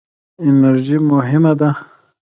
انرژي مهمه ده.